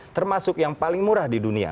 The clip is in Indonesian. termasuk yang paling murah di dunia